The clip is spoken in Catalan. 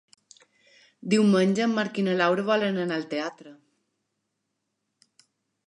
Diumenge en Marc i na Laura volen anar al teatre.